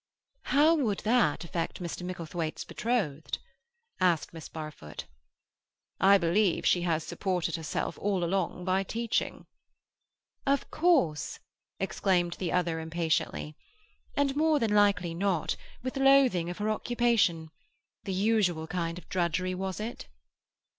"How would that affect Mr. Micklethwaite's betrothed?" asked Miss Barfoot. "I believe she has supported herself all along by teaching." "Of course!" exclaimed the other impatiently. "And more likely than not, with loathing of her occupation. The usual kind of drudgery, was it?"